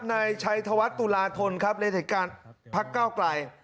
ในชัยธวัฒน์ตุลาธนครับหลายรายการภักดิ์เก้าไกล